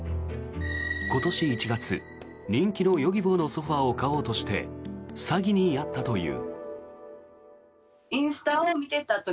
今年１月、人気のＹｏｇｉｂｏのソファを買おうとして詐欺に遭ったという。